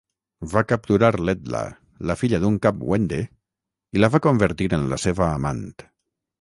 Va capturar l'Edla, la filla d'un cap wende, i la va convertir en la seva amant.